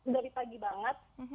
dari pagi banget